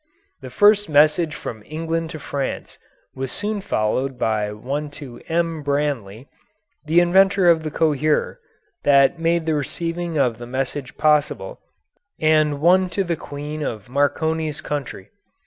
The first message from England to France was soon followed by one to M. Branly, the inventor of the coherer, that made the receiving of the message possible, and one to the queen of Marconi's country.